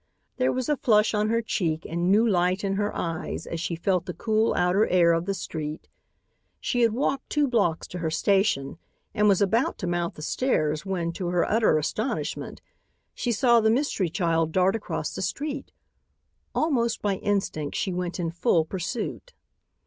There was a flush on her cheek and new light in her eyes as she felt the cool outer air of the street. She had walked two blocks to her station and was about to mount the stairs when, to her utter astonishment, she saw the mystery child dart across the street. Almost by instinct she went in full pursuit.